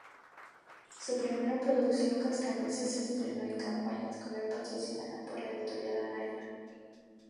Su primera producción, "Cascanueces", se estrenó en campaña escolar patrocinada por la editorial Anaya.